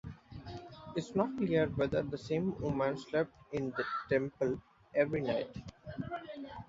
It is not clear whether the same woman slept in the temple every night.